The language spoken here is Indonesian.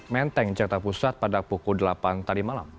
menteng jakarta pusat pada pukul delapan tadi malam